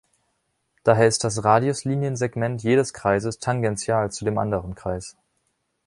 Daher ist das Radiusliniensegment jedes Kreises tangential zu dem anderen Kreis.